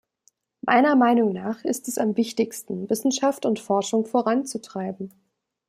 Meiner Meinung nach ist es am wichtigsten, Wissenschaft und Forschung voranzutreiben.